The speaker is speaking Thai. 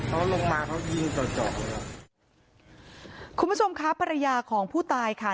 เขาลงมาเขายิงจอดเลยครับคุณผู้ชมครับภรรยาของผู้ตายค่ะ